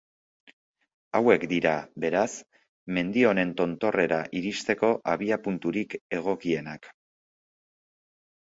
Hauek dira, beraz, mendi honen tontorrera iristeko abiapunturik egokienak.